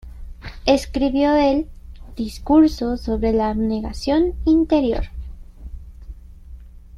Escribió el "Discurso sobre la abnegación interior".